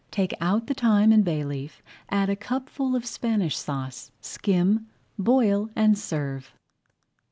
Take out the thyme and bay leaf, add a cupful of Spanish Sauce, skim, boil, and serve.